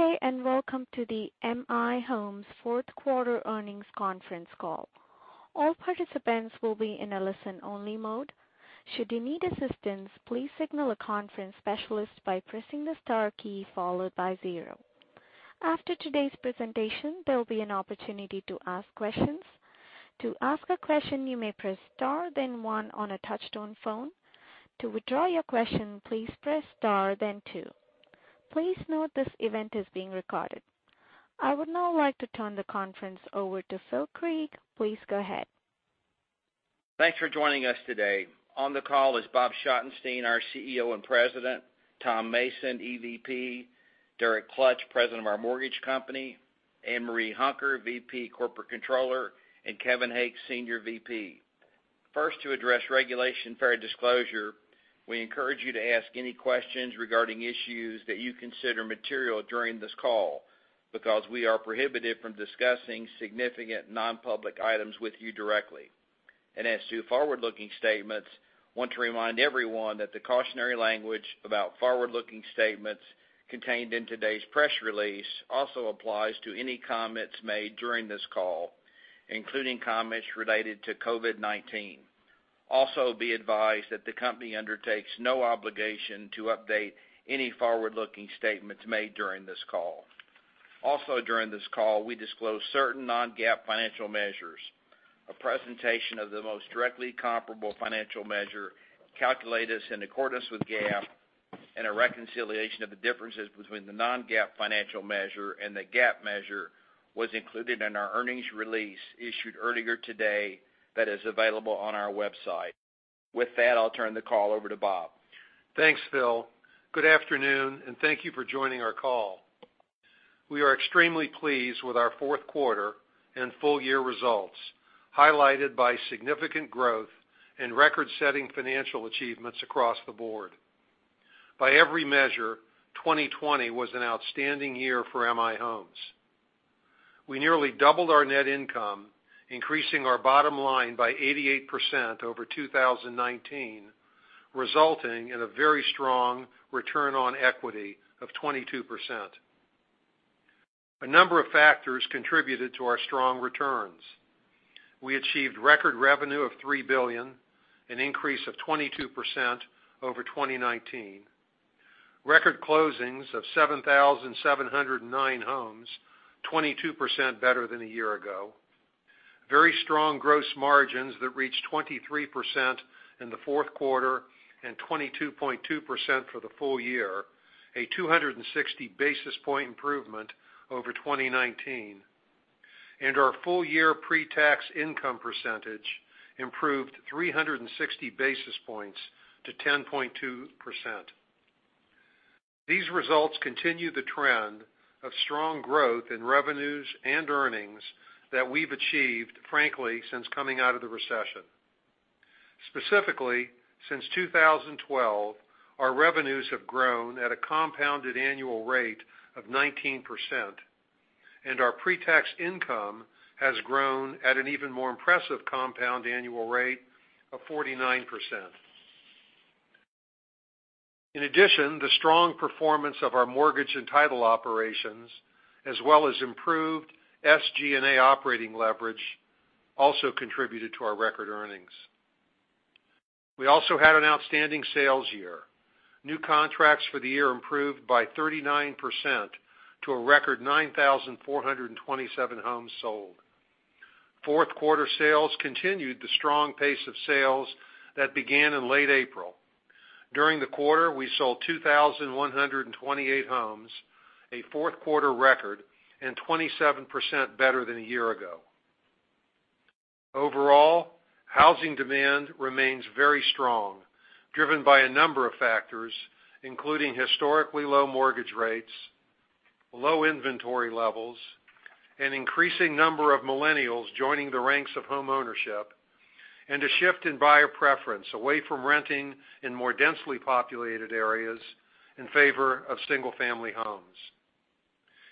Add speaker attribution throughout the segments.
Speaker 1: Good day, welcome to the M/I Homes fourth quarter earnings conference call. All participants will be in a listen only mode. Should you need assistance, please signal a conference specialist by pressing the star key followed by zero. After today's presentation, there'll be an opportunity to ask questions. To ask a question, you may press star then one on a touch-tone phone. To withdraw your question, please press star then two. Please note this event is being recorded. I would now like to turn the conference over to Phil Creek. Please go ahead.
Speaker 2: Thanks for joining us today. On the call is Bob Schottenstein, our CEO and President, Tom Mason, EVP, Derek Klutch, President of our mortgage company, Ann Marie Hunker, VP Corporate Controller, and Kevin Hake, Senior VP. First, to address Regulation Fair Disclosure, we encourage you to ask any questions regarding issues that you consider material during this call because we are prohibited from discussing significant non-public items with you directly. As to forward-looking statements, want to remind everyone that the cautionary language about forward-looking statements contained in today's press release also applies to any comments made during this call, including comments related to COVID-19. Also, be advised that the company undertakes no obligation to update any forward-looking statements made during this call. Also, during this call, we disclose certain non-GAAP financial measures. A presentation of the most directly comparable financial measure calculated in accordance with GAAP and a reconciliation of the differences between the non-GAAP financial measure and the GAAP measure was included in our earnings release issued earlier today that is available on our website. With that, I'll turn the call over to Bob.
Speaker 3: Thanks, Phil. Good afternoon, thank you for joining our call. We are extremely pleased with our fourth quarter and full year results, highlighted by significant growth and record-setting financial achievements across the board. By every measure, 2020 was an outstanding year for M/I Homes. We nearly doubled our net income, increasing our bottom line by 88% over 2019, resulting in a very strong return on equity of 22%. A number of factors contributed to our strong returns. We achieved record revenue of $3 billion, an increase of 22% over 2019. Record closings of 7,709 homes, 22% better than a year ago. Very strong gross margins that reached 23% in the fourth quarter and 22.2% for the full year, a 260 basis point improvement over 2019. Our full year pre-tax income percentage improved 360 basis points to 10.2%. These results continue the trend of strong growth in revenues and earnings that we've achieved, frankly, since coming out of the recession. Specifically, since 2012, our revenues have grown at a compounded annual rate of 19%, and our pre-tax income has grown at an even more impressive compound annual rate of 49%. In addition, the strong performance of our mortgage and title operations, as well as improved SG&A operating leverage, also contributed to our record earnings. We also had an outstanding sales year. New contracts for the year improved by 39% to a record 9,427 homes sold. Fourth quarter sales continued the strong pace of sales that began in late April. During the quarter, we sold 2,128 homes, a fourth quarter record, and 27% better than a year ago. Overall, housing demand remains very strong, driven by a number of factors, including historically low mortgage rates, low inventory levels, an increasing number of millennials joining the ranks of homeownership, and a shift in buyer preference away from renting in more densely populated areas in favor of single-family homes.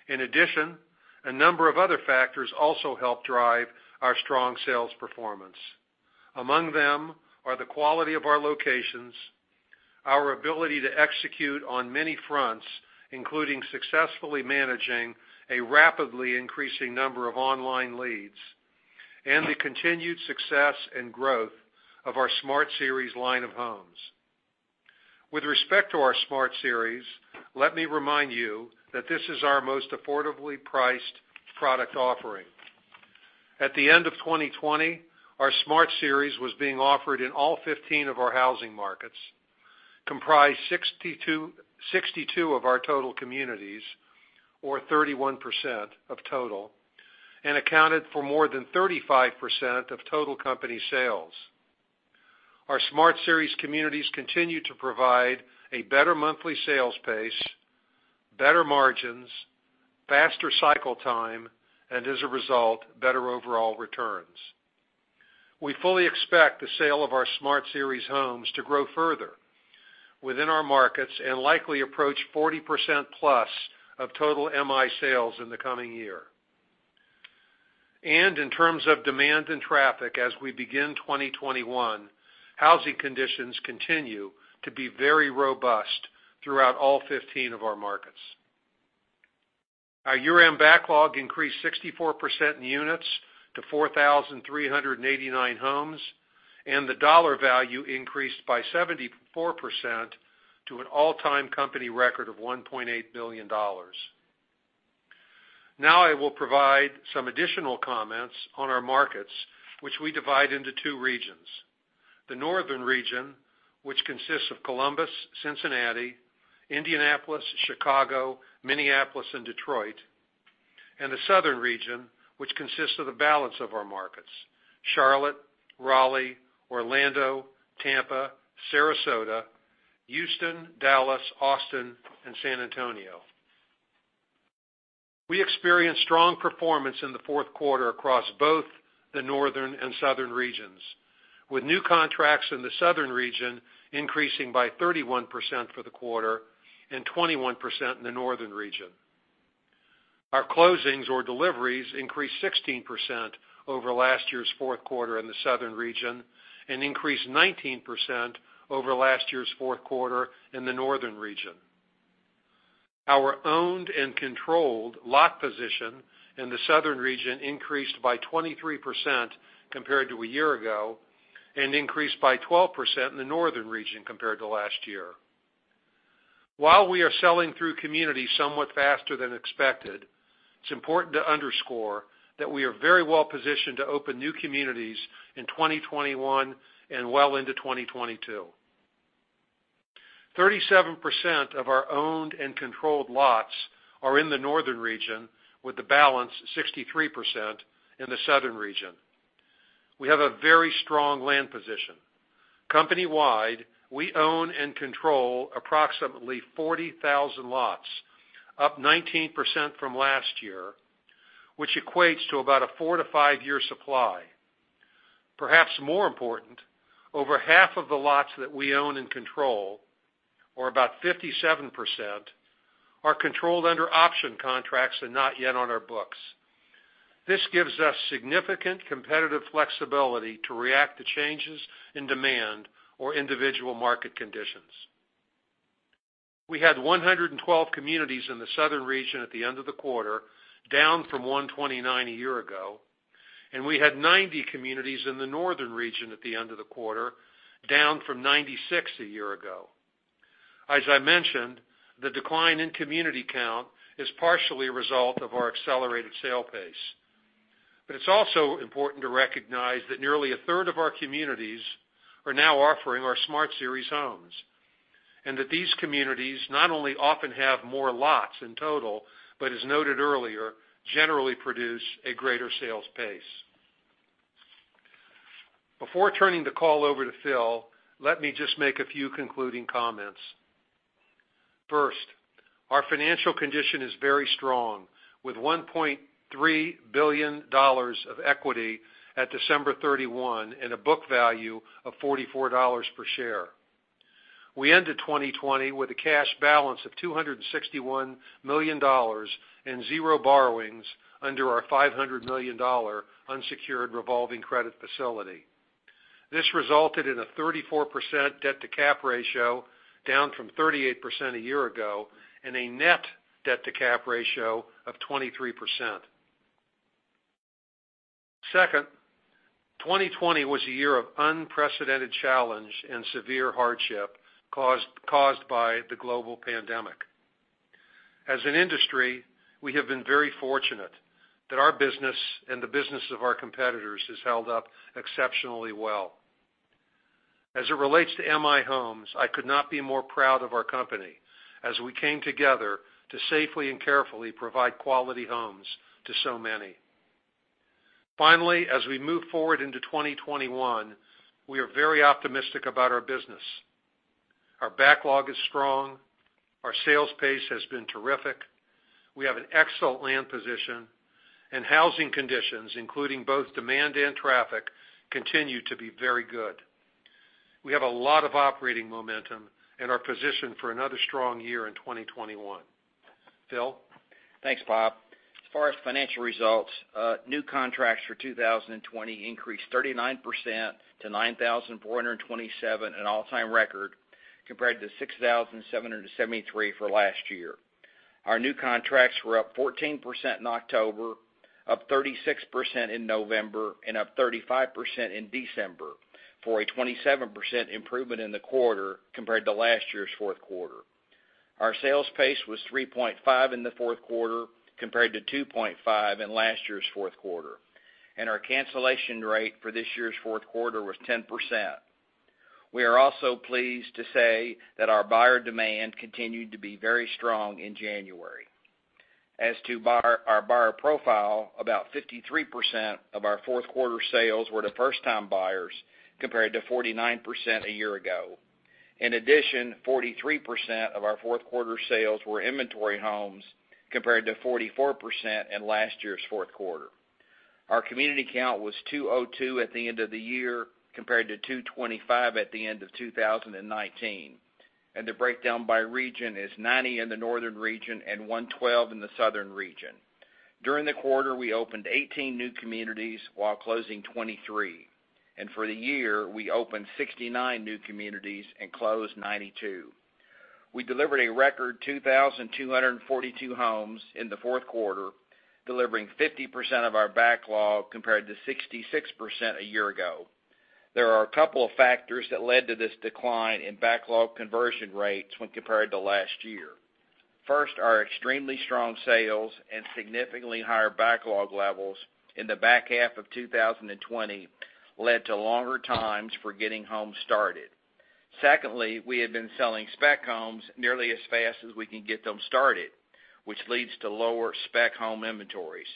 Speaker 3: In addition, a number of other factors also help drive our strong sales performance. Among them are the quality of our locations, our ability to execute on many fronts, including successfully managing a rapidly increasing number of online leads, and the continued success and growth of our Smart Series line of homes. With respect to our Smart Series, let me remind you that this is our most affordably priced product offering. At the end of 2020, our Smart Series was being offered in all 15 of our housing markets, comprised 62 of our total communities, or 31% of total, and accounted for more than 35% of total company sales. Our Smart Series communities continue to provide a better monthly sales pace, better margins, faster cycle time, and as a result, better overall returns. We fully expect the sale of our Smart Series homes to grow further within our markets and likely approach 40% plus of total M/I sales in the coming year. In terms of demand and traffic as we begin 2021, housing conditions continue to be very robust throughout all 15 of our markets. Our year-end backlog increased 64% in units to 4,389 homes, and the dollar value increased by 74% to an all-time company record of $1.8 billion. Now I will provide some additional comments on our markets, which we divide into two regions. The northern region, which consists of Columbus, Cincinnati, Indianapolis, Chicago, Minneapolis, and Detroit, and the southern region, which consists of the balance of our markets, Charlotte, Raleigh, Orlando, Tampa, Sarasota, Houston, Dallas, Austin, and San Antonio. We experienced strong performance in the fourth quarter across both the northern and southern regions, with new contracts in the southern region increasing by 31% for the quarter and 21% in the northern region. Our closings or deliveries increased 16% over last year's fourth quarter in the southern region and increased 19% over last year's fourth quarter in the northern region. Our owned and controlled lot position in the southern region increased by 23% compared to a year ago and increased by 12% in the northern region compared to last year. While we are selling through communities somewhat faster than expected, it's important to underscore that we are very well-positioned to open new communities in 2021 and well into 2022. 37% of our owned and controlled lots are in the northern region with the balance, 63%, in the southern region. We have a very strong land position. Company-wide, we own and control approximately 40,000 lots, up 19% from last year, which equates to about a four to five-year supply. Perhaps more important, over half of the lots that we own and control, or about 57%, are controlled under option contracts and not yet on our books. This gives us significant competitive flexibility to react to changes in demand or individual market conditions. We had 112 communities in the southern region at the end of the quarter, down from 129 a year ago. We had 90 communities in the northern region at the end of the quarter, down from 96 a year ago. As I mentioned, the decline in community count is partially a result of our accelerated sale pace. It's also important to recognize that nearly a third of our communities are now offering our Smart Series homes, and that these communities not only often have more lots in total, but as noted earlier, generally produce a greater sales pace. Before turning the call over to Phil, let me just make a few concluding comments. First, our financial condition is very strong with $1.3 billion of equity at December 31 and a book value of $44 per share. We ended 2020 with a cash balance of $261 million and zero borrowings under our $500 million unsecured revolving credit facility. This resulted in a 34% debt-to-cap ratio, down from 38% a year ago, and a net debt-to-cap ratio of 23%. Second, 2020 was a year of unprecedented challenge and severe hardship caused by the global pandemic. As an industry, we have been very fortunate that our business and the business of our competitors has held up exceptionally well. As it relates to M/I Homes, I could not be more proud of our company as we came together to safely and carefully provide quality homes to so many. Finally, as we move forward into 2021, we are very optimistic about our business. Our backlog is strong. Our sales pace has been terrific. We have an excellent land position and housing conditions, including both demand and traffic, continue to be very good. We have a lot of operating momentum and are positioned for another strong year in 2021. Phil?
Speaker 2: Thanks, Bob. As far as financial results, new contracts for 2020 increased 39% to 9,427, an all-time record, compared to 6,773 for last year. Our new contracts were up 14% in October, up 36% in November, and up 35% in December, for a 27% improvement in the quarter compared to last year's fourth quarter. Our sales pace was 3.5 in the fourth quarter compared to 2.5 in last year's fourth quarter, and our cancellation rate for this year's fourth quarter was 10%. We are also pleased to say that our buyer demand continued to be very strong in January. As to our buyer profile, about 53% of our fourth quarter sales were to first-time buyers compared to 49% a year ago. In addition, 43% of our fourth quarter sales were inventory homes compared to 44% in last year's fourth quarter. Our community count was 202 at the end of the year compared to 225 at the end of 2019. The breakdown by region is 90 in the northern region and 112 in the southern region. During the quarter, we opened 18 new communities while closing 23. For the year, we opened 69 new communities and closed 92. We delivered a record 2,242 homes in the fourth quarter, delivering 50% of our backlog, compared to 66% a year ago. There are a couple of factors that led to this decline in backlog conversion rates when compared to last year. First, our extremely strong sales and significantly higher backlog levels in the back half of 2020 led to longer times for getting homes started. Secondly, we have been selling spec homes nearly as fast as we can get them started, which leads to lower spec home inventories,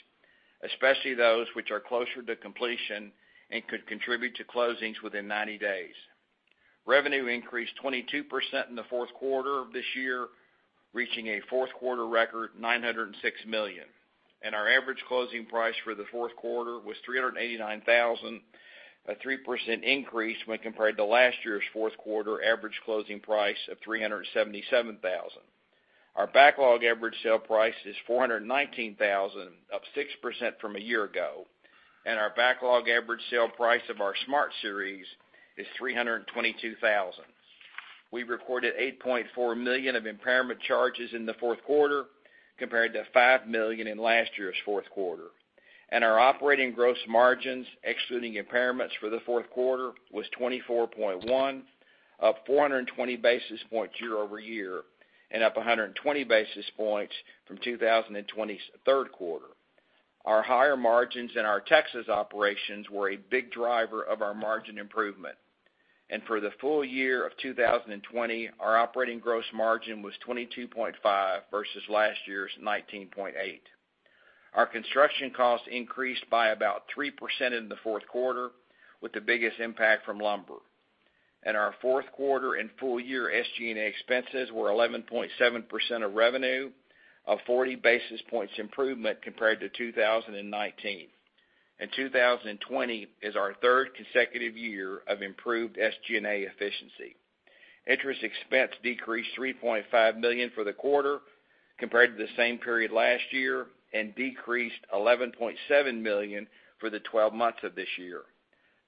Speaker 2: especially those which are closer to completion and could contribute to closings within 90 days. Revenue increased 22% in the fourth quarter of this year, reaching a fourth-quarter record, $906 million. Our average closing price for the fourth quarter was $389,000, a 3% increase when compared to last year's fourth quarter average closing price of $377,000. Our backlog average sale price is $419,000, up 6% from a year ago, and our backlog average sale price of our Smart Series is $322,000. We recorded $8.4 million of impairment charges in the fourth quarter, compared to $5 million in last year's fourth quarter. Our operating gross margins, excluding impairments for the fourth quarter, was 24.1, up 420 basis points year-over-year, and up 120 basis points from 2020's third quarter. Our higher margins in our Texas operations were a big driver of our margin improvement. For the full year of 2020, our operating gross margin was 22.5 versus last year's 19.8. Our construction costs increased by about 3% in the fourth quarter, with the biggest impact from lumber. Our fourth quarter and full year SG&A expenses were 11.7% of revenue, a 40 basis points improvement compared to 2019. 2020 is our third consecutive year of improved SG&A efficiency. Interest expense decreased $3.5 million for the quarter compared to the same period last year and decreased $11.7 million for the 12 months of this year.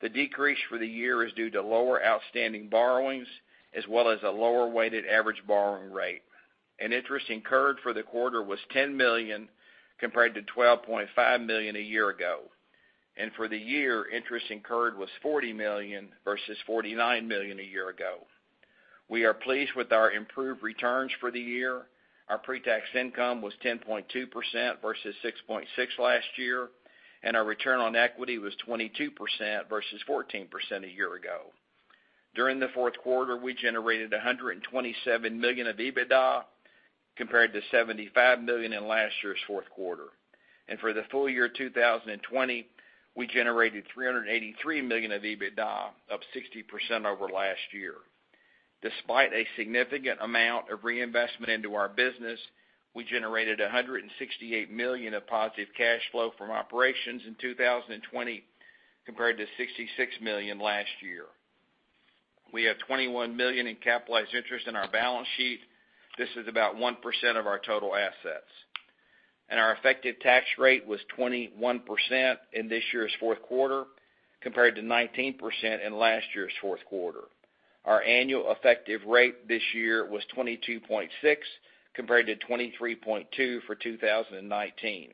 Speaker 2: The decrease for the year is due to lower outstanding borrowings, as well as a lower weighted average borrowing rate. Interest incurred for the quarter was $10 million, compared to $12.5 million a year ago. For the year, interest incurred was $40 million versus $49 million a year ago. We are pleased with our improved returns for the year. Our pre-tax income was 10.2% versus 6.6% last year, and our return on equity was 22% versus 14% a year ago. During the fourth quarter, we generated $127 million of EBITDA compared to $75 million in last year's fourth quarter. For the full year 2020, we generated $383 million of EBITDA, up 60% over last year. Despite a significant amount of reinvestment into our business, we generated $168 million of positive cash flow from operations in 2020 compared to $66 million last year. We have $21 million in capitalized interest in our balance sheet. This is about 1% of our total assets. Our effective tax rate was 21% in this year's fourth quarter, compared to 19% in last year's fourth quarter. Our annual effective rate this year was 22.6%, compared to 23.2% for 2019.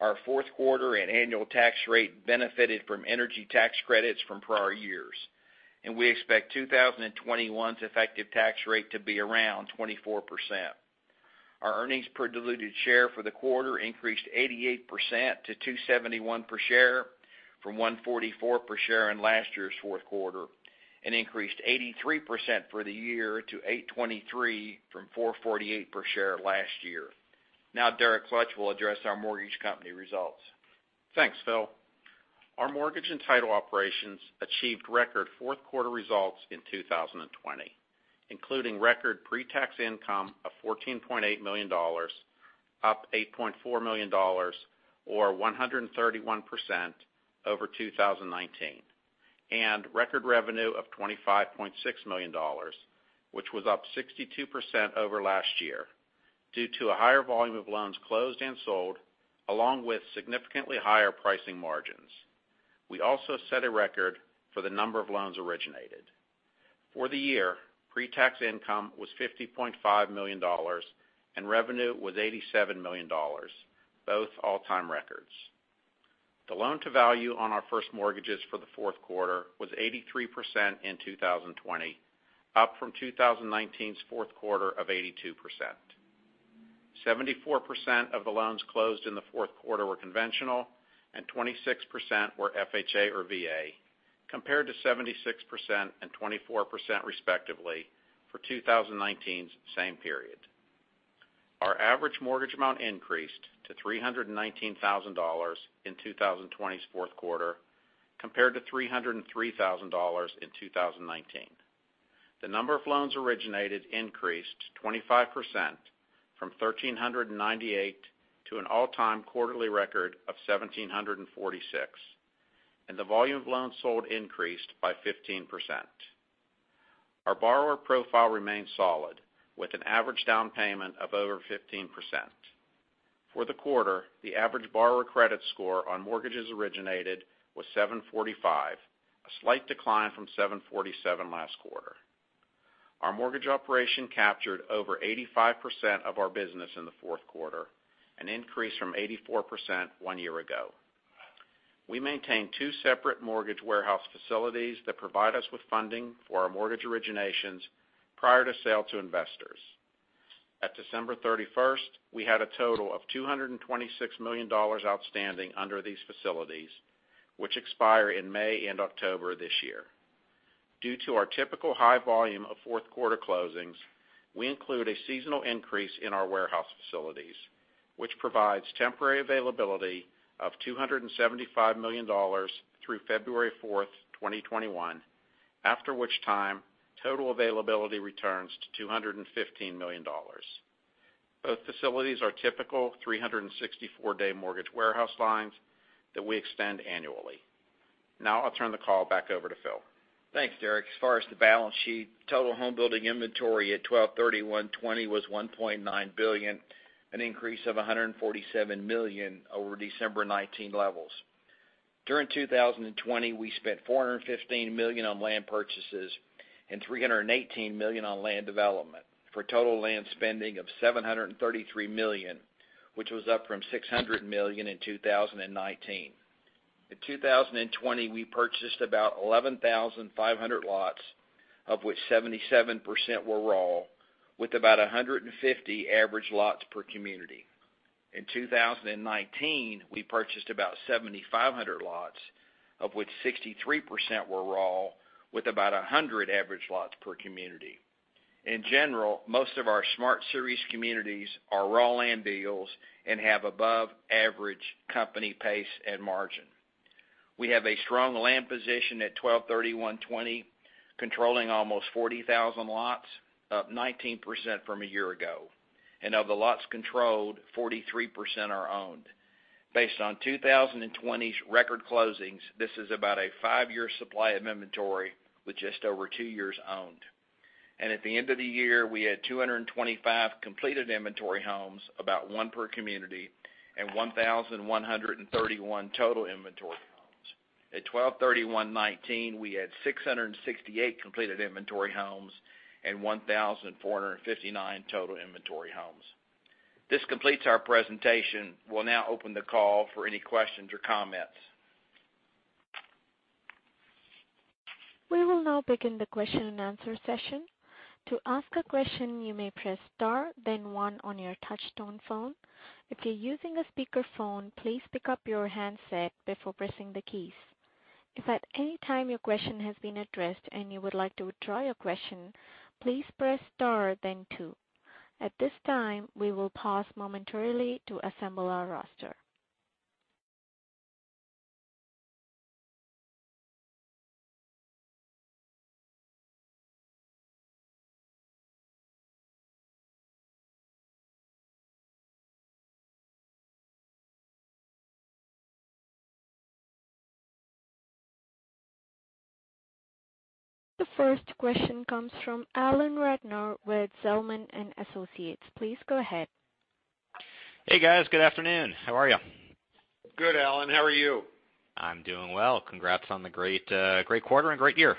Speaker 2: Our fourth quarter and annual tax rate benefited from energy tax credits from prior years. We expect 2021's effective tax rate to be around 24%. Our earnings per diluted share for the quarter increased 88% to $2.71 per share from $1.44 per share in last year's fourth quarter, and increased 83% for the year to $8.23 from $4.48 per share last year. Now Derek Klutch will address our mortgage company results.
Speaker 4: Thanks, Phil. Our mortgage and title operations achieved record fourth quarter results in 2020, including record pretax income of $14.8 million, up $8.4 million, or 131% over 2019. Record revenue of $25.6 million, which was up 62% over last year due to a higher volume of loans closed and sold along with significantly higher pricing margins. We also set a record for the number of loans originated. For the year, pretax income was $50.5 million, revenue was $87 million, both all-time records. The loan to value on our first mortgages for the fourth quarter was 83% in 2020, up from 2019's fourth quarter of 82%. 74% of the loans closed in the fourth quarter were conventional and 26% were FHA or VA, compared to 76% and 24%, respectively, for 2019's same period. Our average mortgage amount increased to $319,000 in 2020's fourth quarter compared to $303,000 in 2019. The number of loans originated increased 25% from 1,398 to an all-time quarterly record of 1,746. The volume of loans sold increased by 15%. Our borrower profile remained solid, with an average down payment of over 15%. For the quarter, the average borrower credit score on mortgages originated was 745, a slight decline from 747 last quarter. Our mortgage operation captured over 85% of our business in the fourth quarter, an increase from 84% one year ago. We maintain two separate mortgage warehouse facilities that provide us with funding for our mortgage originations prior to sale to investors. At December 31st, we had a total of $226 million outstanding under these facilities, which expire in May and October this year. Due to our typical high volume of fourth-quarter closings, we include a seasonal increase in our warehouse facilities, which provides temporary availability of $275 million through February 4th, 2021, after which time total availability returns to $215 million. Both facilities are typical 364-day mortgage warehouse lines that we extend annually. I'll turn the call back over to Phil.
Speaker 2: Thanks, Derek. As far as the balance sheet, total home building inventory at 12/31/2020 was $1.9 billion, an increase of $147 million over December 2019 levels. During 2020, we spent $415 million on land purchases and $318 million on land development, for total land spending of $733 million, which was up from $600 million in 2019. In 2020, we purchased about 11,500 lots, of which 77% were raw, with about 150 average lots per community. In 2019, we purchased about 7,500 lots, of which 63% were raw, with about 100 average lots per community. In general, most of our Smart Series communities are raw land deals and have above-average company pace and margin. We have a strong land position at 12/31/2020, controlling almost 40,000 lots, up 19% from a year ago. Of the lots controlled, 43% are owned. Based on 2020's record closings, this is about a five-year supply of inventory, with just over two years owned. At the end of the year, we had 225 completed inventory homes, about one per community, and 1,131 total inventory homes. At 12/31/2019, we had 668 completed inventory homes and 1,459 total inventory homes. This completes our presentation. We'll now open the call for any questions or comments.
Speaker 1: We will now begin the question and answer session. To ask a question, you may press star then one on your touchtone phone. If you're using a speakerphone, please pick up your handset before pressing the keys. If at any time your question has been addressed and you would like to withdraw your question, please press star then two. At this time, we will pause momentarily to assemble our roster. The first question comes from Alan Ratner with Zelman & Associates. Please go ahead.
Speaker 5: Hey, guys. Good afternoon. How are you?
Speaker 3: Good, Alan, how are you?
Speaker 5: I'm doing well. Congrats on the great quarter and great year,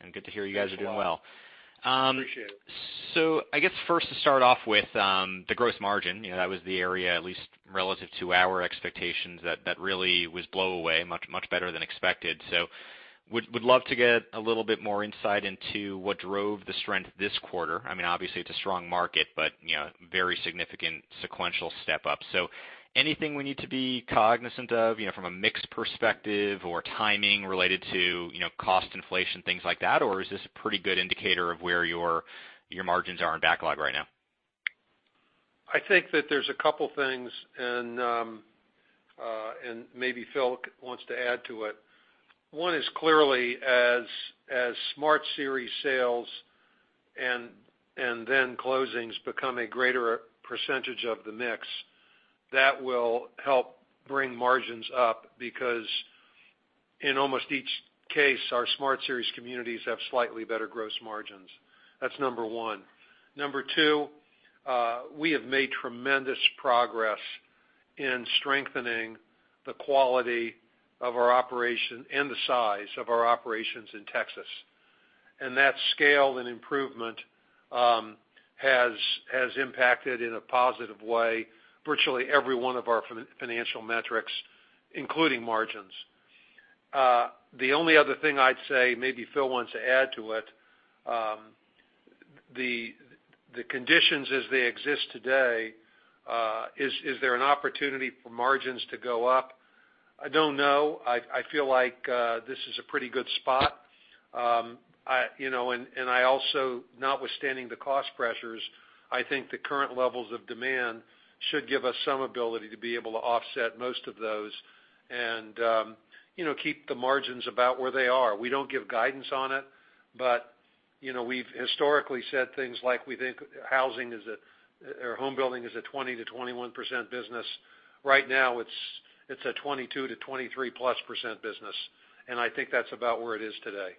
Speaker 5: and good to hear you guys are doing well.
Speaker 3: Thanks, Alan. Appreciate it.
Speaker 5: I guess first to start off with the gross margin, that was the area, at least relative to our expectations, that really was blow-away, much better than expected. Would love to get a little bit more insight into what drove the strength this quarter. Obviously, it's a strong market, but very significant sequential step up. Anything we need to be cognizant of from a mix perspective or timing related to cost inflation, things like that? Or is this a pretty good indicator of where your margins are in backlog right now?
Speaker 3: I think that there's a couple things, and maybe Phil wants to add to it. One is clearly as Smart Series sales and then closings become a greater percentage of the mix, that will help bring margins up because in almost each case, our Smart Series communities have slightly better gross margins. That's number one. Number two, we have made tremendous progress in strengthening the quality of our operation and the size of our operations in Texas. That scale and improvement has impacted in a positive way virtually every one of our financial metrics, including margins. The only other thing I'd say, maybe Phil wants to add to it, the conditions as they exist today, is there an opportunity for margins to go up? I don't know. I feel like this is a pretty good spot. Also, notwithstanding the cost pressures, I think the current levels of demand should give us some ability to be able to offset most of those and keep the margins about where they are. We don't give guidance on it. We've historically said things like we think housing is a or home building is a 20%-21% business. Right now it's a 22%-23% plus business, I think that's about where it is today.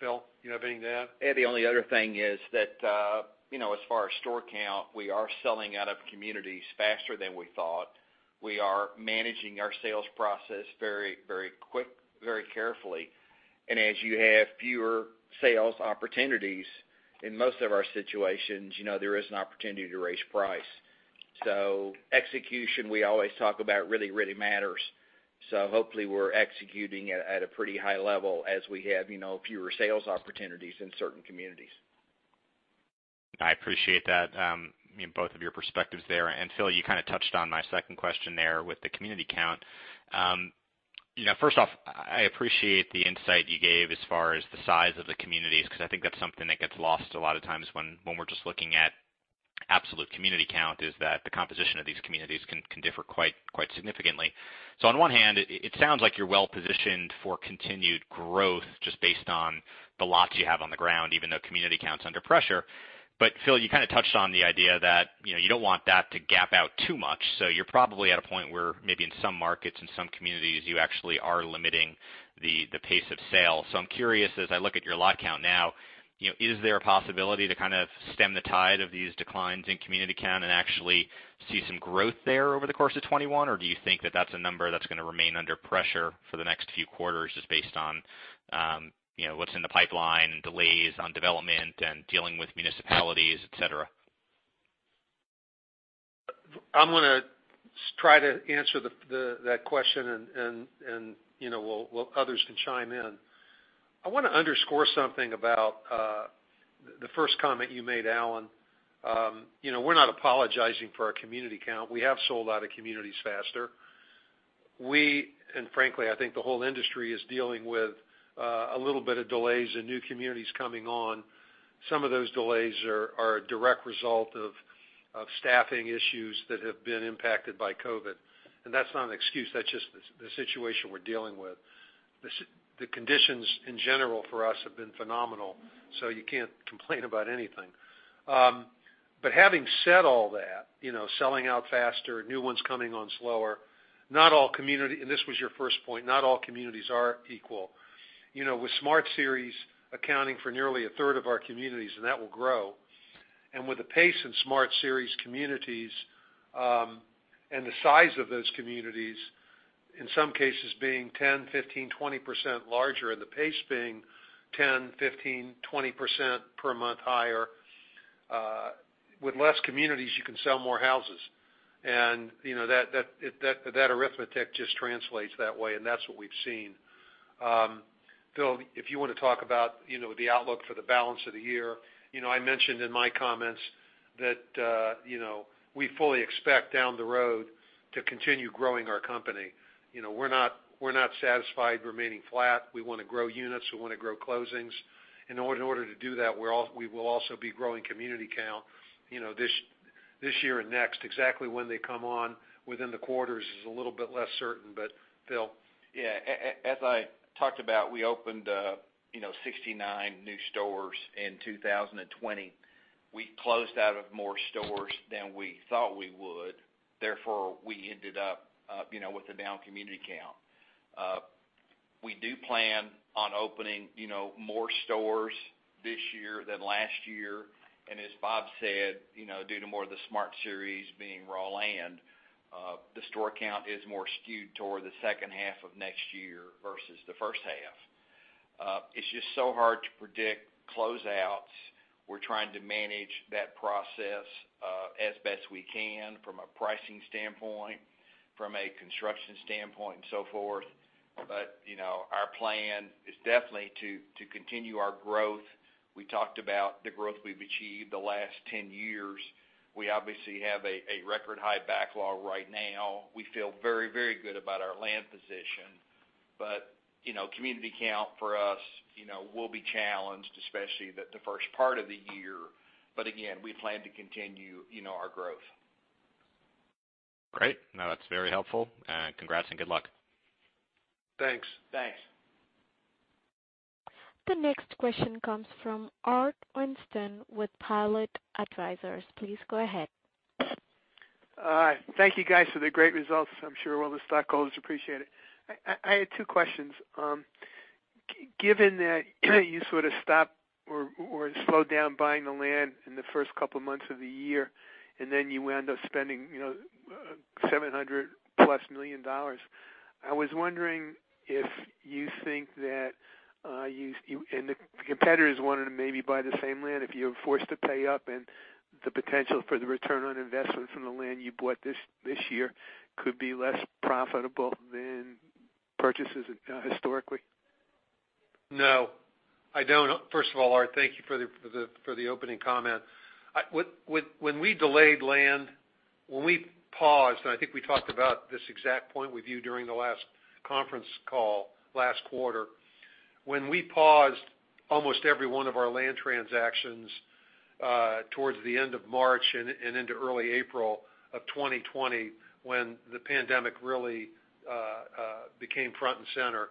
Speaker 3: Phil, you have anything to add?
Speaker 2: Alan, the only other thing is that, as far as store count, we are selling out of communities faster than we thought. We are managing our sales process very carefully. As you have fewer sales opportunities, in most of our situations, there is an opportunity to raise price. Execution, we always talk about really, really matters. Hopefully we're executing at a pretty high level as we have fewer sales opportunities in certain communities.
Speaker 5: I appreciate that, both of your perspectives there. Phil, you kind of touched on my second question there with the community count. First off, I appreciate the insight you gave as far as the size of the communities, because I think that's something that gets lost a lot of times when we're just looking at absolute community count, is that the composition of these communities can differ quite significantly. On one hand, it sounds like you're well-positioned for continued growth just based on the lots you have on the ground, even though community count's under pressure. Phil, you kind of touched on the idea that you don't want that to gap out too much. You're probably at a point where maybe in some markets, in some communities, you actually are limiting the pace of sale. I'm curious, as I look at your lot count now, is there a possibility to kind of stem the tide of these declines in community count and actually see some growth there over the course of 2021? Or do you think that that's a number that's going to remain under pressure for the next few quarters just based on what's in the pipeline, delays on development and dealing with municipalities, et cetera?
Speaker 3: I'm going to try to answer that question and others can chime in. I want to underscore something about the first comment you made, Alan. We're not apologizing for our community count. We have sold out of communities faster. We, and frankly, I think the whole industry is dealing with a little bit of delays in new communities coming on. Some of those delays are a direct result of staffing issues that have been impacted by COVID. That's not an excuse, that's just the situation we're dealing with. The conditions in general for us have been phenomenal, so you can't complain about anything. Having said all that, selling out faster, new ones coming on slower, and this was your first point, not all communities are equal. With Smart Series accounting for nearly a third of our communities, and that will grow, and with the pace in Smart Series communities, and the size of those communities, in some cases being 10%, 15%, 20% larger, and the pace being 10%, 15%, 20% per month higher. With less communities, you can sell more houses. And that arithmetic just translates that way, and that's what we've seen. Phil, if you want to talk about the outlook for the balance of the year. I mentioned in my comments that we fully expect down the road to continue growing our company. We're not satisfied remaining flat. We want to grow units. We want to grow closings. And in order to do that, we will also be growing community count this year and next. Exactly when they come on within the quarters is a little bit less certain. Phil?
Speaker 2: Yeah. As I talked about, we opened 69 new stores in 2020. We closed out of more stores than we thought we would, therefore, we ended up with a down community count. We do plan on opening more stores this year than last year. And as Bob said, due to more of the Smart Series being raw land, the store count is more skewed toward the second half of next year versus the first half. It's just so hard to predict closeouts. We're trying to manage that process as best we can from a pricing standpoint, from a construction standpoint, and so forth. But our plan is definitely to continue our growth. We talked about the growth we've achieved the last 10 years. We obviously have a record-high backlog right now. We feel very good about our land position. Community count for us will be challenged, especially the first part of the year. But again, we plan to continue our growth.
Speaker 5: Great. No, that's very helpful, and congrats and good luck.
Speaker 3: Thanks.
Speaker 2: Thanks.
Speaker 1: The next question comes from Art Winston with Pilot Advisors. Please go ahead.
Speaker 6: All right. Thank you guys for the great results. I'm sure all the stockholders appreciate it. I had two questions. Given that you sort of stopped or slowed down buying the land in the first couple of months of the year, and then you end up spending $700 million+, I was wondering if you think that you, and the competitors wanted to maybe buy the same land, if you're forced to pay up and the potential for the return on investment from the land you bought this year could be less profitable than purchases historically?
Speaker 3: No, I don't. First of all, Art, thank you for the opening comment. When we delayed land, when we paused, and I think we talked about this exact point with you during the last conference call last quarter. When we paused almost every one of our land transactions towards the end of March and into early April of 2020, when the pandemic really became front and center.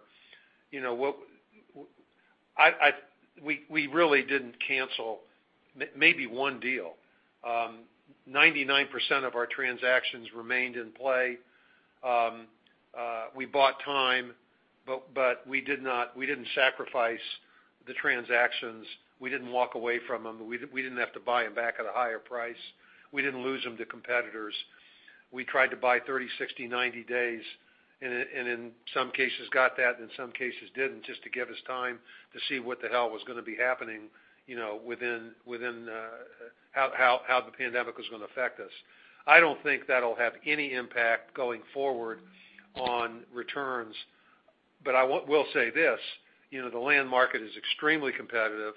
Speaker 3: We really didn't cancel maybe one deal. 99% of our transactions remained in play. We bought time, but we didn't sacrifice the transactions. We didn't walk away from them. We didn't have to buy them back at a higher price. We didn't lose them to competitors. We tried to buy 30, 60, 90 days, and in some cases got that, and in some cases didn't, just to give us time to see what the hell was going to be happening, how the pandemic was going to affect us. I don't think that'll have any impact going forward on returns. I will say this, the land market is extremely competitive.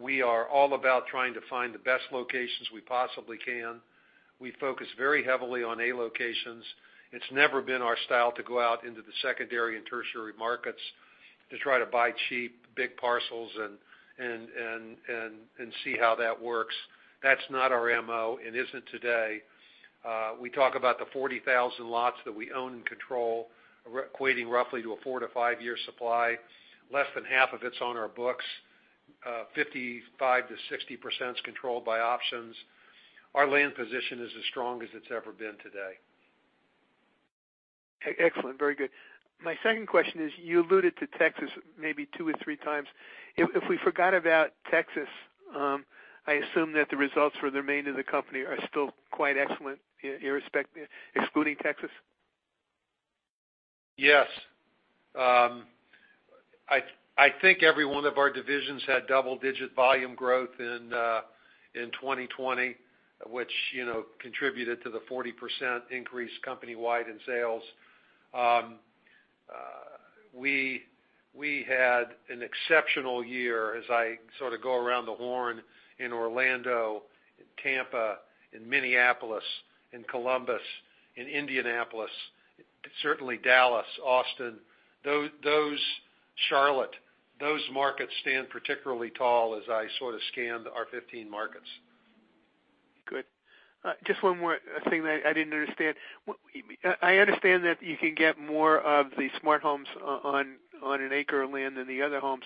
Speaker 3: We are all about trying to find the best locations we possibly can. We focus very heavily on A locations. It's never been our style to go out into the secondary and tertiary markets to try to buy cheap, big parcels and see how that works. That's not our MO. It isn't today. We talk about the 40,000 lots that we own and control, equating roughly to a four-to-five-year supply. Less than half of it's on our books. 55%-60% is controlled by options. Our land position is as strong as it's ever been today.
Speaker 6: Excellent. Very good. My second question is, you alluded to Texas maybe two or three times. If we forgot about Texas, I assume that the results for the remainder of the company are still quite excellent, excluding Texas.
Speaker 3: Yes. I think every one of our divisions had double-digit volume growth in 2020, which contributed to the 40% increase company-wide in sales. We had an exceptional year, as I sort of go around the horn in Orlando, in Tampa, in Minneapolis, in Columbus, in Indianapolis, certainly Dallas, Austin, Charlotte. Those markets stand particularly tall as I sort of scanned our 15 markets.
Speaker 6: Good. Just one more thing that I didn't understand. I understand that you can get more of the Smart homes on an acre of land than the other homes.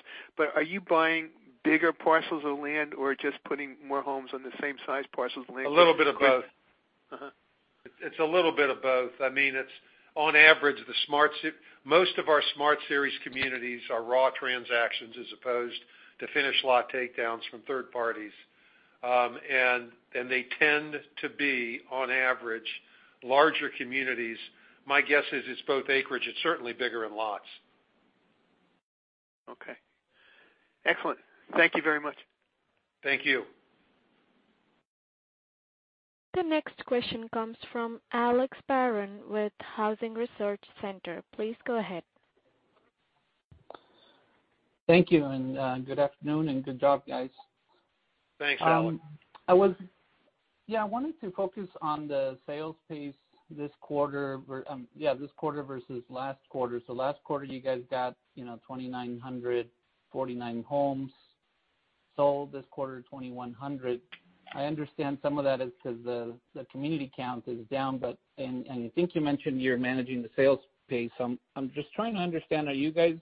Speaker 6: Are you buying bigger parcels of land, or just putting more homes on the same size parcels of land?
Speaker 3: A little bit of both. It's a little bit of both. On average, most of our Smart Series communities are raw transactions as opposed to finished lot takedowns from third parties. They tend to be, on average, larger communities. My guess is it's both acreage. It's certainly bigger in lots.
Speaker 6: Okay. Excellent. Thank you very much.
Speaker 3: Thank you.
Speaker 1: The next question comes from Alex Barron with Housing Research Center. Please go ahead.
Speaker 7: Thank you, and good afternoon, and good job, guys.
Speaker 3: Thanks, Alex.
Speaker 7: I wanted to focus on the sales pace this quarter versus last quarter. Last quarter, you guys got 2,949 homes sold. This quarter, 2,100. I understand some of that is because the community count is down, and I think you mentioned you're managing the sales pace. I'm just trying to understand, are you guys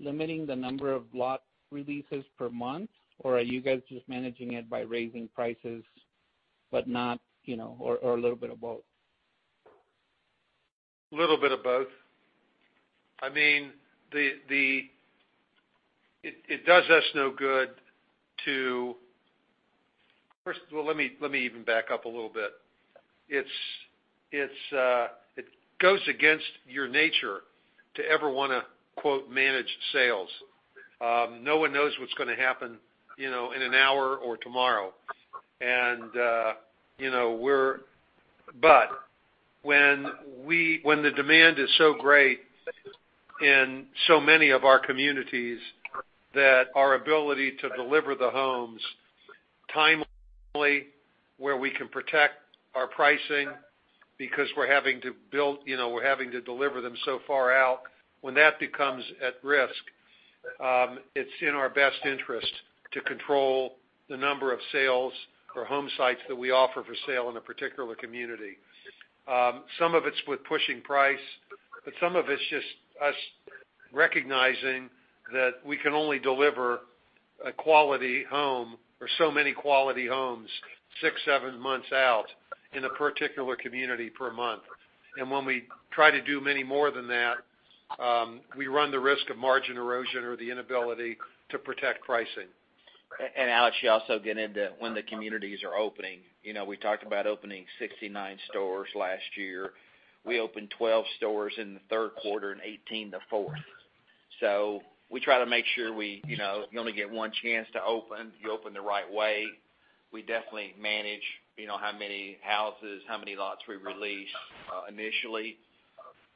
Speaker 7: limiting the number of lot releases per month, or are you guys just managing it by raising prices, or a little bit of both?
Speaker 3: A little bit of both. Let me even back up a little bit. It goes against your nature to ever want to, quote, "manage sales." No one knows what's going to happen in an hour or tomorrow. When the demand is so great in so many of our communities that our ability to deliver the homes timely, where we can protect our pricing because we're having to deliver them so far out, when that becomes at risk, it's in our best interest to control the number of sales or home sites that we offer for sale in a particular community. Some of it's with pushing price, some of it's just us recognizing that we can only deliver a quality home, or so many quality homes, six, seven months out in a particular community per month. When we try to do many more than that, we run the risk of margin erosion or the inability to protect pricing.
Speaker 2: Alex, you also get into when the communities are opening. We talked about opening 69 stores last year. We opened 12 stores in the third quarter and 18 the fourth. We try to make sure we only get one chance to open, you open the right way. We definitely manage how many houses, how many lots we release initially,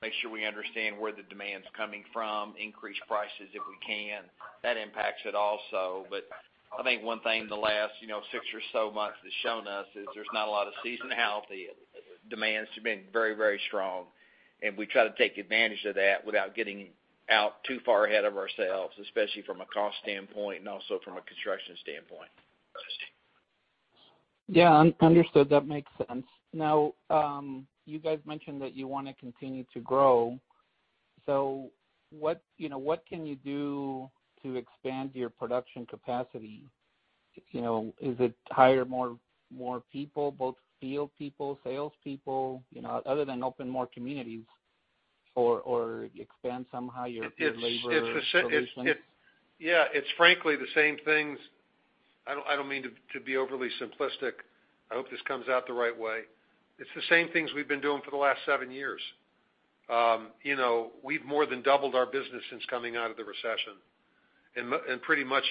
Speaker 2: make sure we understand where the demand's coming from, increase prices if we can. That impacts it also. I think one thing the last six or so months has shown us is there's not a lot of seasonality. Demands have been very strong, we try to take advantage of that without getting out too far ahead of ourselves, especially from a cost standpoint and also from a construction standpoint.
Speaker 7: Yeah, understood. That makes sense. Now, you guys mentioned that you want to continue to grow. What can you do to expand your production capacity? Is it hire more people, both field people, salespeople, other than open more communities or expand somehow your labor solutions?
Speaker 3: Yeah, it's frankly the same things. I don't mean to be overly simplistic. I hope this comes out the right way. It's the same things we've been doing for the last seven years. We've more than doubled our business since coming out of the recession, and pretty much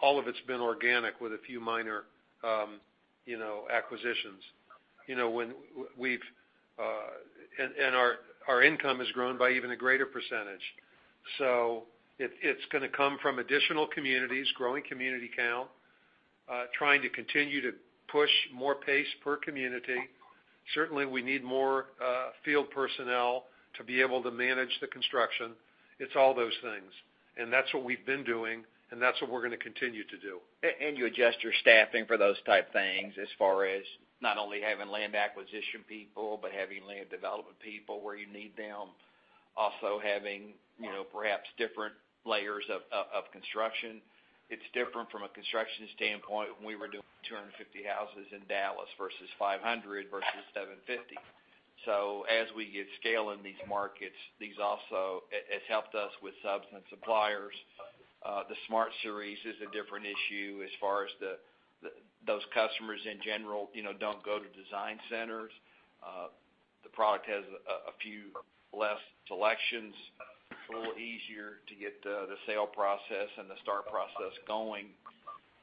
Speaker 3: all of it's been organic with a few minor acquisitions. Our income has grown by even a greater percentage. It's going to come from additional communities, growing community count, trying to continue to push more pace per community. Certainly, we need more field personnel to be able to manage the construction. It's all those things, and that's what we've been doing, and that's what we're going to continue to do.
Speaker 2: You adjust your staffing for those type things as far as not only having land acquisition people but having land development people where you need them. Also having perhaps different layers of construction. It's different from a construction standpoint when we were doing 250 houses in Dallas versus 500 versus 750. As we get scale in these markets, it's helped us with subs and suppliers. The Smart Series is a different issue as far as those customers in general don't go to design centers. The product has a few less selections. It's a little easier to get the sale process and the start process going.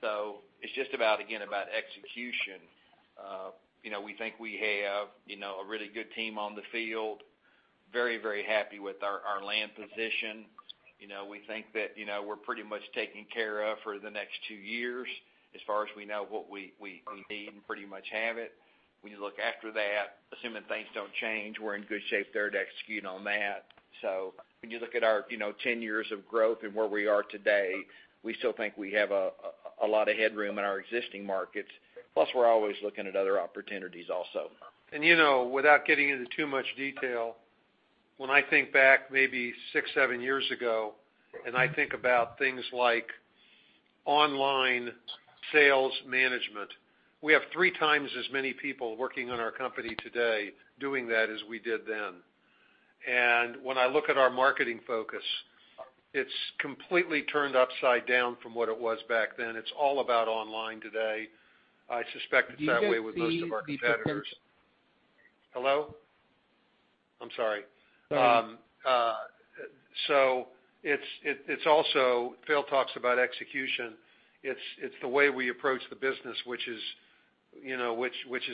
Speaker 2: It's just, again, about execution. We think we have a really good team on the field. Very happy with our land position. We think that we're pretty much taken care of for the next two years. As far as we know, what we need, and pretty much have it. When you look after that, assuming things don't change, we're in good shape there to execute on that. When you look at our 10 years of growth and where we are today, we still think we have a lot of headroom in our existing markets, plus we're always looking at other opportunities also.
Speaker 3: Without getting into too much detail, when I think back maybe six, seven years ago, and I think about things like online sales management, we have three times as many people working on our company today doing that as we did then. When I look at our marketing focus, it's completely turned upside down from what it was back then. It's all about online today. I suspect it's that way with most of our competitors.
Speaker 7: Do you see the potential?
Speaker 3: Hello? I'm sorry.
Speaker 7: Sorry.
Speaker 3: It's also, Phil talks about execution. It's the way we approach the business, which is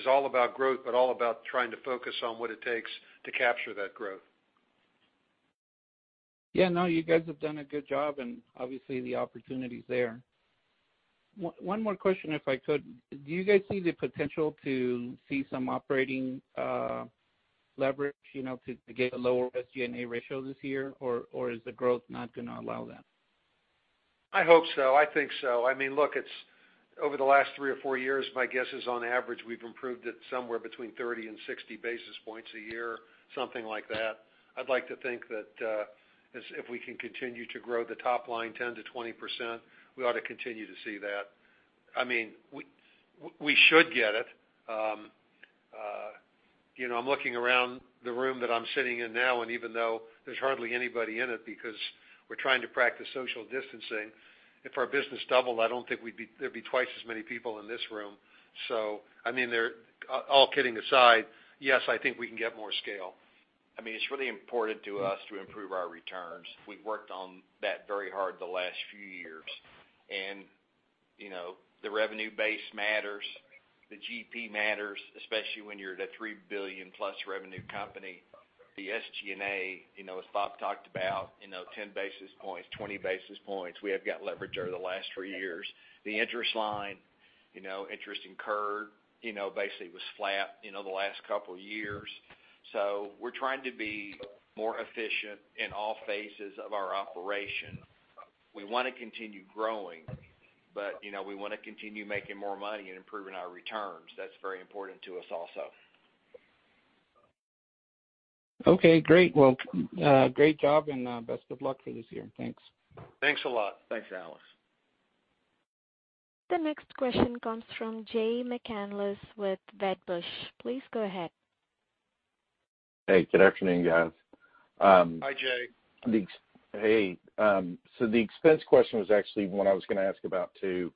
Speaker 3: all about growth, but all about trying to focus on what it takes to capture that growth.
Speaker 7: Yeah, no, you guys have done a good job and obviously the opportunity's there. One more question, if I could. Do you guys see the potential to see some operating leverage to get a lower SG&A ratio this year? Or is the growth not going to allow that?
Speaker 3: I hope so. I think so. Look, over the last three or four years, my guess is, on average, we've improved it somewhere between 30 and 60 basis points a year, something like that. I'd like to think that if we can continue to grow the top line 10%-20%, we ought to continue to see that. We should get it. I'm looking around the room that I'm sitting in now, and even though there's hardly anybody in it because we're trying to practice social distancing, if our business doubled, I don't think there'd be twice as many people in this room. All kidding aside, yes, I think we can get more scale.
Speaker 2: It's really important to us to improve our returns. We've worked on that very hard the last few years. The revenue base matters. The GP matters, especially when you're at a $3 billion-plus revenue company. The SG&A, as Bob talked about, 10 basis points, 20 basis points. We have got leverage over the last three years. The interest line, interest incurred, basically was flat the last couple of years. We're trying to be more efficient in all phases of our operation. We want to continue growing, but we want to continue making more money and improving our returns. That's very important to us also.
Speaker 7: Okay, great. Well, great job, and best of luck for this year. Thanks.
Speaker 3: Thanks a lot.
Speaker 2: Thanks, Alex.
Speaker 1: The next question comes from Jay McCanless with Wedbush. Please go ahead.
Speaker 8: Hey, good afternoon, guys.
Speaker 3: Hi, Jay.
Speaker 8: Hey. The expense question was actually one I was going to ask about, too.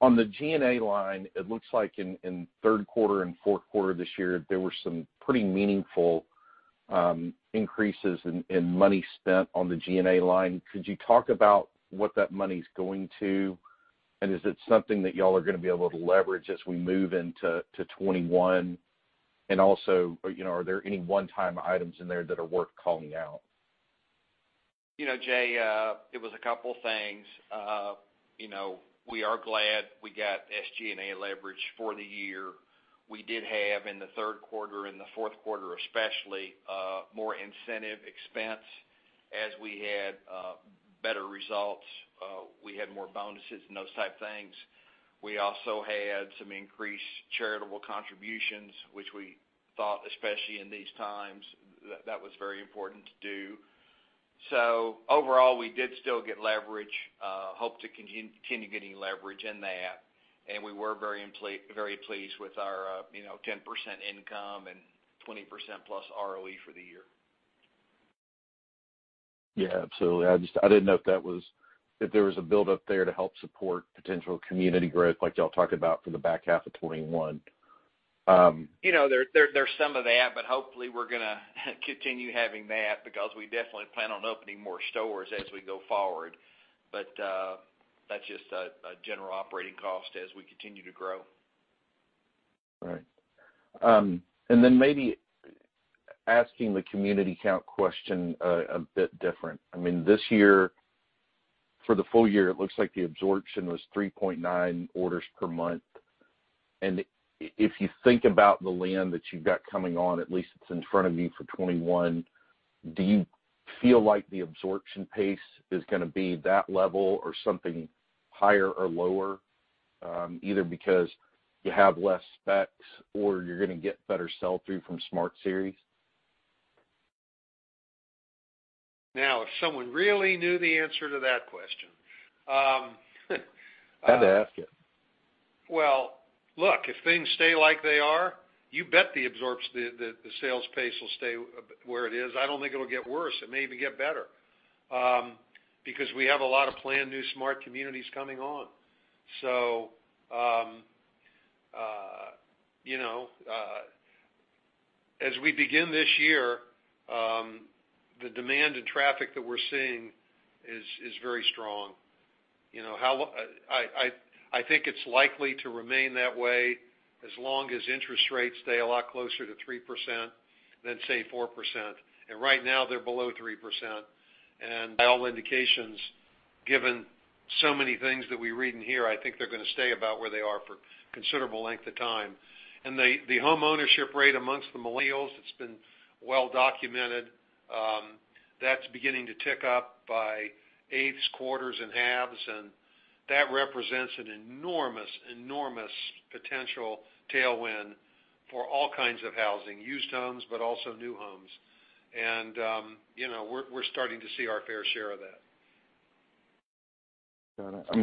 Speaker 8: On the G&A line, it looks like in third quarter and fourth quarter this year, there were some pretty meaningful increases in money spent on the G&A line. Could you talk about what that money's going to, and is it something that y'all are going to be able to leverage as we move into 2021? Are there any one-time items in there that are worth calling out?
Speaker 2: Jay, it was a couple things. We are glad we got SG&A leverage for the year. We did have in the third quarter, in the fourth quarter especially, more incentive expense. As we had better results, we had more bonuses and those type things. We also had some increased charitable contributions, which we thought, especially in these times, that was very important to do. Overall, we did still get leverage, hope to continue getting leverage in that. We were very pleased with our 10% income and 20% plus ROE for the year.
Speaker 8: Yeah, absolutely. I didn't know if there was a buildup there to help support potential community growth like you all talked about for the back half of 2021.
Speaker 2: There's some of that, hopefully we're going to continue having that because we definitely plan on opening more stores as we go forward. That's just a general operating cost as we continue to grow.
Speaker 8: Right. Then maybe asking the community count question a bit different. This year, for the full year, it looks like the absorption was 3.9 orders per month. If you think about the land that you've got coming on, at least it's in front of me for 2021, do you feel like the absorption pace is going to be that level or something higher or lower, either because you have less specs or you're going to get better sell-through from Smart Series?
Speaker 3: Now, if someone really knew the answer to that question.
Speaker 8: Had to ask it.
Speaker 3: Well, look, if things stay like they are, you bet the sales pace will stay where it is. I don't think it'll get worse. It may even get better, because we have a lot of planned new Smart Communities coming on. As we begin this year, the demand and traffic that we're seeing is very strong. I think it's likely to remain that way as long as interest rates stay a lot closer to 3% than, say, 4%. Right now, they're below 3%. By all indications, given so many things that we read in here, I think they're going to stay about where they are for considerable length of time. The homeownership rate amongst the millennials, it's been well documented. That's beginning to tick up by eighths, quarters, and halves, that represents an enormous potential tailwind for all kinds of housing, used homes, but also new homes. We're starting to see our fair share of that.
Speaker 8: Got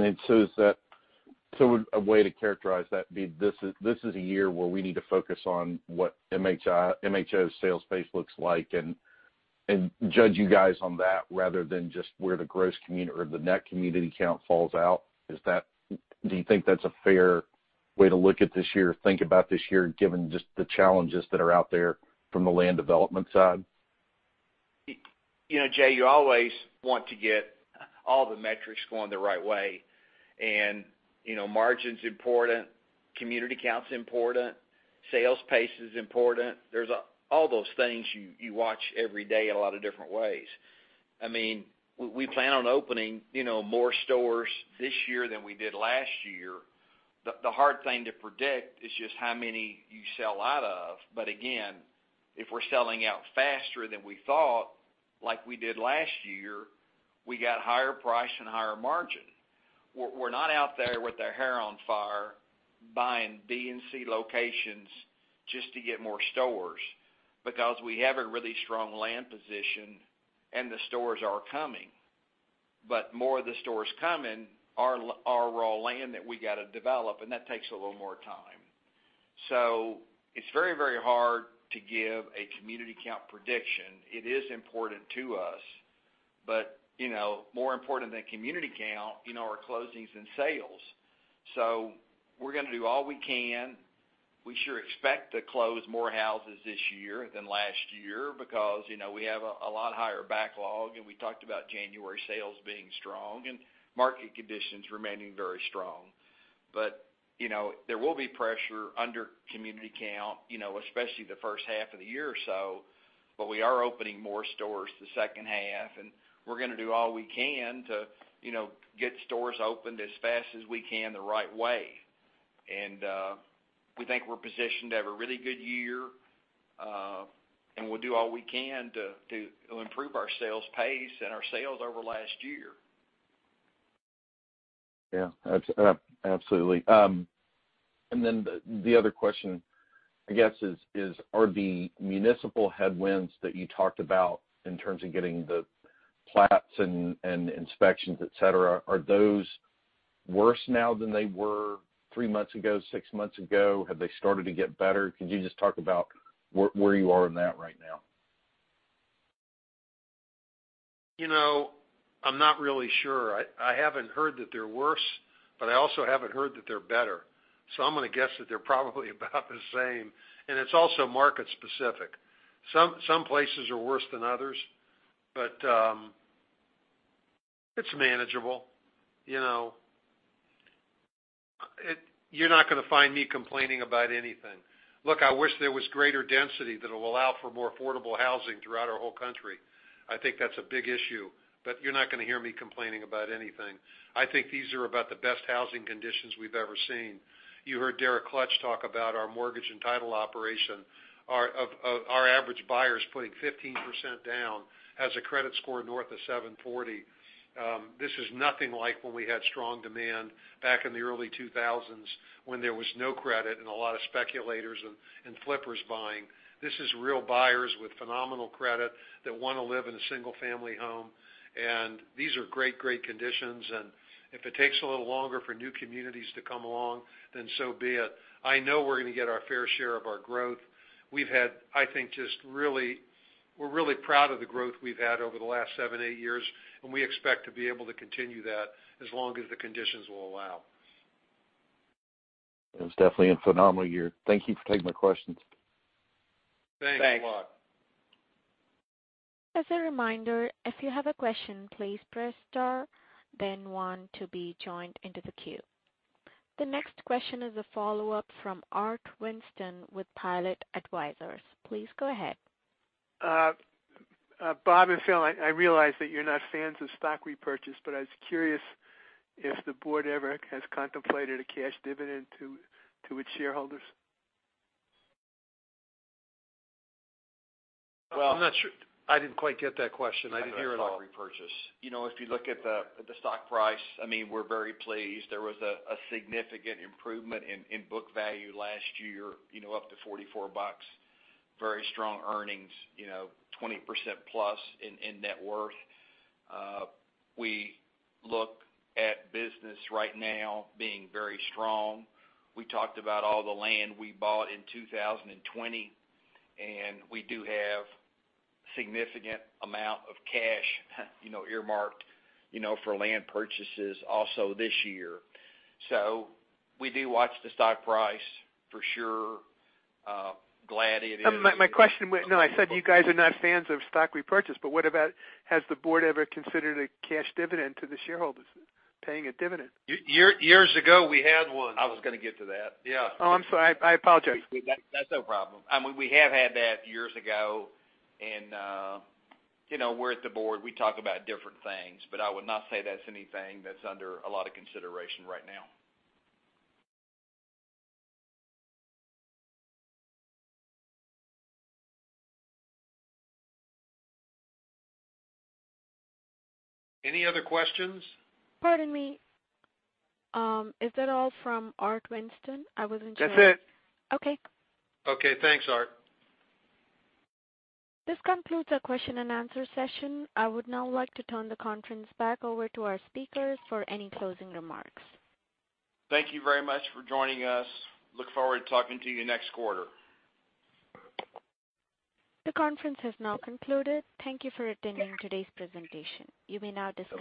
Speaker 8: it. A way to characterize that would be this is a year where we need to focus on what MHO's sales pace looks like, and judge you guys on that rather than just where the gross community or the net community count falls out. Do you think that's a fair way to look at this year, think about this year, given just the challenges that are out there from the land development side?
Speaker 2: Jay, you always want to get all the metrics going the right way. Margin's important, community count's important, sales pace is important. There's all those things you watch every day a lot of different ways. We plan on opening more stores this year than we did last year. The hard thing to predict is just how many you sell out of. Again, if we're selling out faster than we thought, like we did last year, we got higher price and higher margin. We're not out there with our hair on fire buying B and C locations just to get more stores, because we have a really strong land position and the stores are coming. More of the stores coming are raw land that we got to develop, and that takes a little more time. It's very hard to give a community count prediction. It is important to us, more important than community count are closings and sales. We're going to do all we can. We sure expect to close more houses this year than last year because we have a lot higher backlog, and we talked about January sales being strong and market conditions remaining very strong. There will be pressure under community count, especially the first half of the year or so, but we are opening more stores the second half, and we're going to do all we can to get stores opened as fast as we can the right way. We think we're positioned to have a really good year, and we'll do all we can to improve our sales pace and our sales over last year.
Speaker 8: Yeah. Absolutely. The other question, I guess, is are the municipal headwinds that you talked about in terms of getting the plats and inspections, et cetera, are those worse now than they were three months ago, six months ago? Have they started to get better? Can you just talk about where you are in that right now?
Speaker 3: I'm not really sure. I haven't heard that they're worse, I also haven't heard that they're better. I'm going to guess that they're probably about the same. It's also market specific. Some places are worse than others, it's manageable. You're not going to find me complaining about anything. Look, I wish there was greater density that will allow for more affordable housing throughout our whole country. I think that's a big issue, you're not going to hear me complaining about anything. I think these are about the best housing conditions we've ever seen. You heard Derek Klutch talk about our mortgage and title operation. Our average buyer is putting 15% down, has a credit score north of 740. This is nothing like when we had strong demand back in the early 2000s when there was no credit and a lot of speculators and flippers buying. This is real buyers with phenomenal credit that want to live in a single-family home, these are great conditions. If it takes a little longer for new communities to come along, so be it. I know we're going to get our fair share of our growth. We're really proud of the growth we've had over the last seven, eight years, we expect to be able to continue that as long as the conditions will allow.
Speaker 8: It was definitely a phenomenal year. Thank you for taking my questions.
Speaker 3: Thanks.
Speaker 2: Thanks a lot.
Speaker 1: As a reminder, if you have a question, please press star then one to be joined into the queue. The next question is a follow-up from Art Winston with Pilot Advisors. Please go ahead.
Speaker 6: Bob and Phil, I realize that you're not fans of stock repurchase, but I was curious if the board ever has contemplated a cash dividend to its shareholders.
Speaker 3: Well, I'm not sure. I didn't quite get that question. I didn't hear it all.
Speaker 2: Stock repurchase. If you look at the stock price, we're very pleased. There was a significant improvement in book value last year, up to $44. Very strong earnings, 20%+ in net worth. We look at business right now being very strong. We talked about all the land we bought in 2020. We do have significant amount of cash earmarked for land purchases also this year. We do watch the stock price for sure.
Speaker 6: My question, no, I said you guys are not fans of stock repurchase. What about, has the board ever considered a cash dividend to the shareholders? Paying a dividend.
Speaker 3: Years ago, we had one.
Speaker 2: I was going to get to that.
Speaker 3: Yeah.
Speaker 6: Oh, I'm sorry. I apologize.
Speaker 2: That's no problem. We have had that years ago and we're at the board, we talk about different things. I would not say that's anything that's under a lot of consideration right now.
Speaker 3: Any other questions?
Speaker 1: Pardon me. Is that all from Art Winston? I wasn't sure.
Speaker 6: That's it.
Speaker 1: Okay.
Speaker 3: Okay, thanks, Art.
Speaker 1: This concludes our question and answer session. I would now like to turn the conference back over to our speakers for any closing remarks.
Speaker 2: Thank you very much for joining us. Look forward to talking to you next quarter.
Speaker 1: The conference has now concluded. Thank you for attending today's presentation. You may now disconnect.